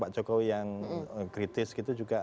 pak jokowi yang kritis gitu juga